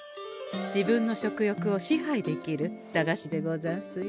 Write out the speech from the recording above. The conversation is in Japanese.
自分の食欲を支配できる駄菓子でござんすよ。